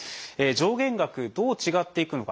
上限額どう違っていくのか。